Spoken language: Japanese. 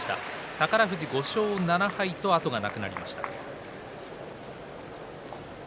宝富士、５勝７敗と後がなくなりました。